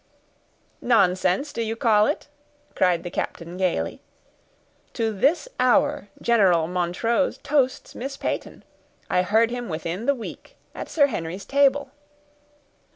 "Nonsense, do you call it?" cried the captain, gayly. "To this hour General Montrose toasts Miss Peyton; I heard him within the week, at Sir Henry's table."